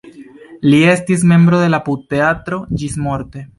Li estis membro de la Pupteatro ĝismorte.